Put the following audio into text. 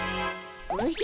おじゃ？